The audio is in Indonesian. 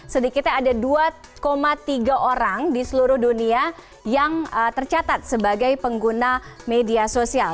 sedikitnya ada dua tiga orang di seluruh dunia yang tercatat sebagai pengguna media sosial